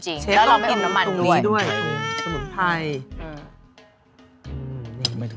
เชฟต้องกินน้ำมันด้วย